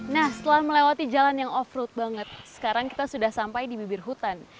nah setelah melewati jalan yang off road banget sekarang kita sudah sampai di bibir hutan